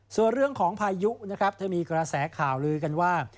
ส่วนเรื่องของพายุมีกระแสข่าวลือกันว่า